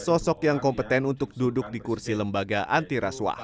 sosok yang kompeten untuk duduk di kursi lembaga antiraswa